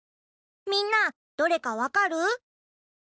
みんなどれかわかる？